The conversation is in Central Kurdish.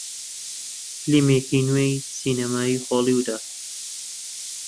فیلمێکی نوێی سینەمای هۆلیوودە